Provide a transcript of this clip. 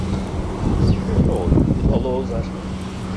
Сшәыҳәоит, иҟалозар!